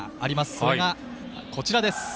それがこちらです。